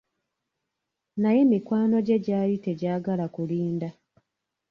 Naye mikwano gye gyali tegyagala kulinda.